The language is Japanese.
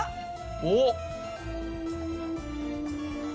おっ。